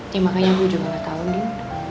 ya makanya gue juga gak tau nih